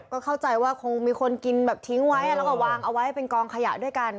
ก็เข้าใจว่าคงมีคนกินแบบทิ้งไว้แล้วก็วางเอาไว้เป็นกองขยะด้วยกัน